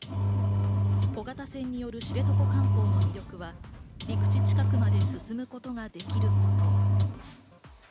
小型船による知床観光の魅力は陸地近くまで進むことができること。